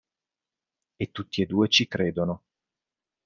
E tutti e due ci credono.